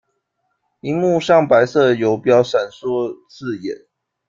萤幕上白色游标闪烁刺眼